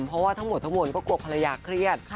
เพราะว่าทั้งหมดทั้งมวลก็กลัวภรรยาเครียด